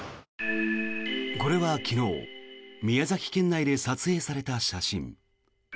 これは昨日宮崎県内で撮影された写真。